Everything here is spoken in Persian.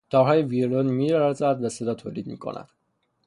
تارهای ویولن میلرزد و صدا تولید میکند.